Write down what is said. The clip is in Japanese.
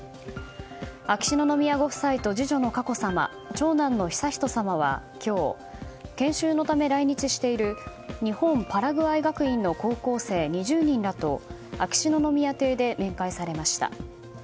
秋篠宮ご夫妻と次女の佳子さま長男の悠仁さまは今日研修のため来日している日本パラグアイ学院の高校生２０人らと秋篠宮邸で面会されました。